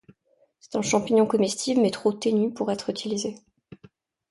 C'est un champignon comestible mais trop ténu pour être utilisé.